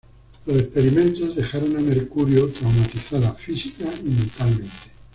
Los experimentos dejaron a Mercurio traumatizada física y mentalmente.